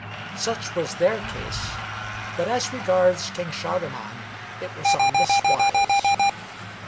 Such was their case: but as regards King Shahriman it was on this wise.